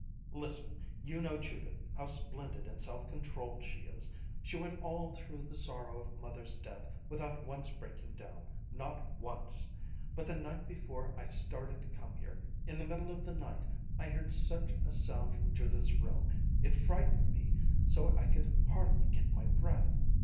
Listen! You know Judith, how splendid and self controlled she is. She went all through the sorrow of Mother's death without once breaking down, not once. But the night before I started to come here, in the middle of the night, I heard such a sound from Judith's room! It frightened me, so I could hardly get my breath!